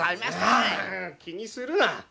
ああ気にするな。